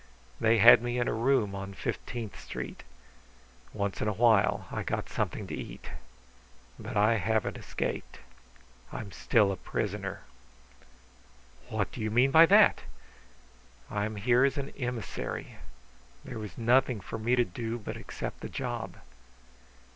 "They had me in a room on Fifteenth Street. Once in a while I got something to eat. But I haven't escaped. I'm still a prisoner." "What do you mean by that?" "I am here as an emissary. There was nothing for me to do but accept the job."